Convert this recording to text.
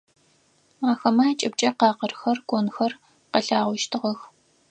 Ахэмэ акӏыбкӏэ къакъырхэр, конхэр къэлъагъощтыгъэх.